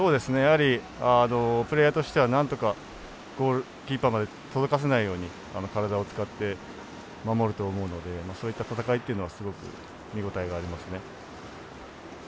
やはりプレーヤーとしてはなんとかゴールキーパーまで届かせないように体を使って守ると思うのでそういった戦いというのは見応えがありますね。